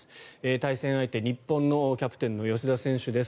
対戦相手、日本のキャプテンの吉田選手です。